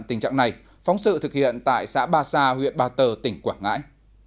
tình trạng này phóng sự thực hiện tại xã ba sa huyện ba tơ tỉnh quảng ngãi